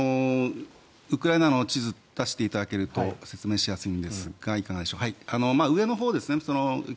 ウクライナの地図を出していただけると説明しやすいんですがキーウの上のほうですね